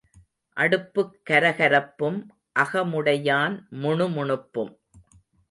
அடுப்புக் கரகரப்பும் அகமுடையான் முணுமுணுப்பும்.